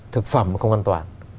thực phẩm không an toàn